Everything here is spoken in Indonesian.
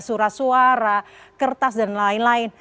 surat suara kertas dan lain lain